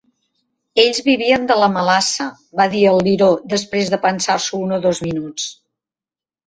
"Ells vivien de la melassa", va dir el Liró, després de pensar-s'ho un o dos minuts.